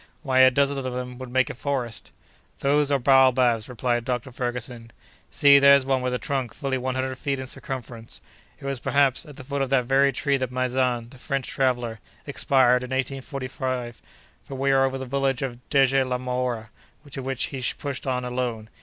Why a dozen of them would make a forest!" "Those are baobabs," replied Dr. Ferguson. "See, there's one with a trunk fully one hundred feet in circumference. It was, perhaps, at the foot of that very tree that Maizan, the French traveller, expired in 1845, for we are over the village of Deje la Mhora, to which he pushed on alone.